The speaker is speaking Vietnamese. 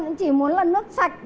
cũng chỉ muốn là nước sạch